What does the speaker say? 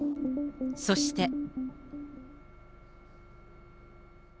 そして。